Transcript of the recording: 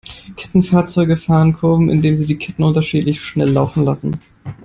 Kettenfahrzeuge fahren Kurven, indem sie die Ketten unterschiedlich schnell laufen lassen.